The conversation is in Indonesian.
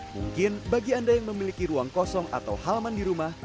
mungkin bagi anda yang memiliki ruang kosong atau halaman di rumah